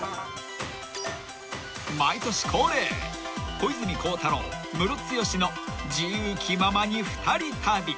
小泉孝太郎ムロツヨシの『自由気ままに２人旅』］